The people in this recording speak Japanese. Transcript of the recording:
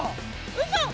うそ。